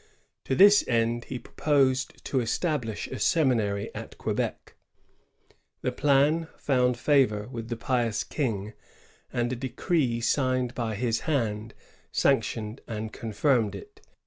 To this end he proposed to establish a seminary at Quebec. The plan found favor with the pious King, and a decree signed by his hand sanctioned and confirmed it.